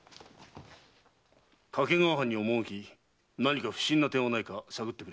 掛川藩に赴き何か不審な点はないか探ってくれ。